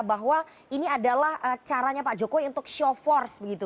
bahwa ini adalah caranya pak jokowi untuk show force begitu